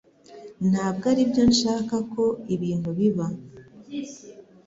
Ntabwo aribyo nshaka ko ibintu biba